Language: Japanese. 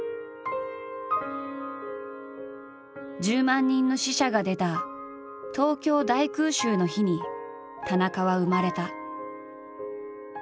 １０万人の死者が出た東京大空襲の日に田中は生まれた。